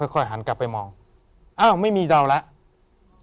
ค่อยหันกลับไปมองอ้าวไม่มีเดาแล้ว